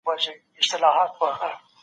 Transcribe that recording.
پوه سړي په خپل علم سره مرسته وکړه.